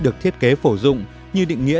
được thiết kế phổ dụng như định nghĩa